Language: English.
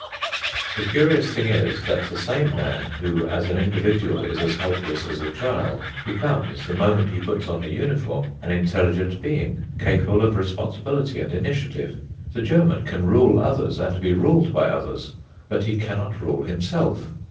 The curious thing is that the same man, who as an individual is as helpless as a child, becomes, the moment he puts on the uniform, an intelligent being, capable of responsibility and initiative. The German can rule others, and be ruled by others, but he cannot rule himself.